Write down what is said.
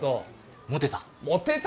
モテた？